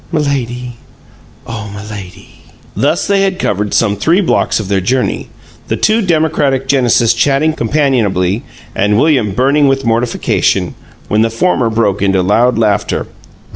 "Milady! Oh, Milady!" Thus they had covered some three blocks of their journey the too democratic Genesis chatting companionably and William burning with mortification when the former broke into loud laughter.